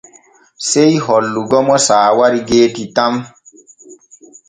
Sey hollugo mo saawari geeti tan.